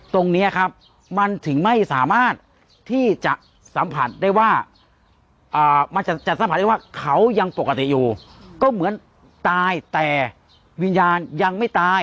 ตรงนี้ครับมันถึงไม่สามารถที่จะสัมผัสได้ว่ามันจะสัมผัสได้ว่าเขายังปกติอยู่ก็เหมือนตายแต่วิญญาณยังไม่ตาย